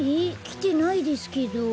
きてないですけど。